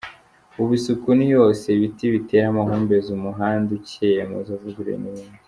Ubu, isuku ni yose, ibiti bitera amahumbezi, umuhanda ucyeye, amazu avuguruye n’ibindi.